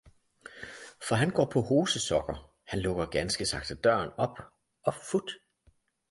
for han går på hosesokker, han lukker ganske sagte døren op og fut!